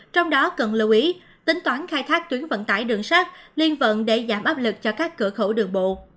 trong đó cần lưu ý tính toán khai thác tuyến vận tải đường sát liên vận để giảm áp lực cho các cửa khẩu đường bộ